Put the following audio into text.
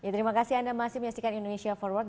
terima kasih anda masih menyaksikan indonesia forward